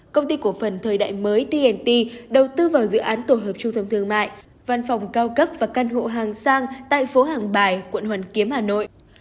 công ty cổ phần thời đại mới tnt đầu tư vào dự án tổ hợp trung tâm thương mại văn phòng cao cấp và căn hộ hàng sang tại phố hàng bài quận hoàn kiếm hà nội